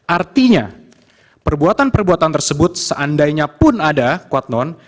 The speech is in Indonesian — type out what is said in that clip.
artinya perbuatan perbuatan tersebut seandainya pun ada kuat non